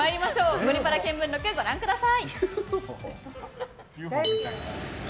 「ゴリパラ見聞録」ご覧ください。